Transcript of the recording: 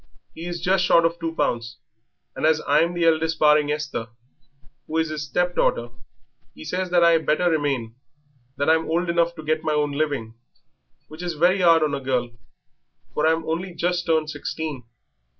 He is just short of two pounds, and as I'm the eldest barring Esther, who is 'is step daughter, 'e says that I had better remain, that I'm old enough to get my own living, which is very 'ard on a girl, for I'm only just turned sixteen.